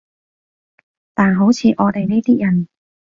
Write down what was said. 但好似我哋呢啲人